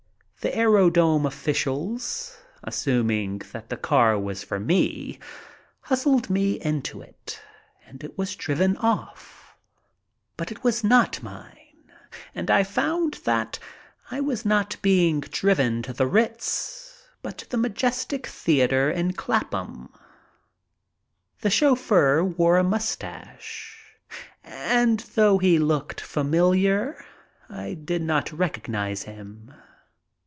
The aero drome officials, assuming that the car was for me, hustled me into it and it was driven off. But it was not mine, and I found that I was not being driven to the Ritz, but to the Majestic Theater in Clapham. The chauffeur wore a mustache, and, though he looked familiar, I did not recognize him.